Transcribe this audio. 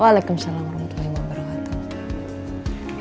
waalaikumsalam warahmatullahi wabarakatuh